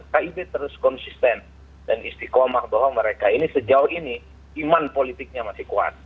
kib terus konsisten dan istiqomah bahwa mereka ini sejauh ini iman politiknya masih kuat